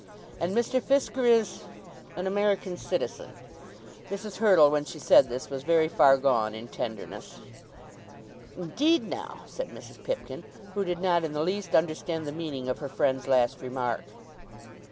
"And Mr. Fisker is an American citizen." Mrs. Hurtle when she said this was very far gone in tenderness. "Indeed now!" said Mrs. Pipkin, who did not in the least understand the meaning of her friend's last remark.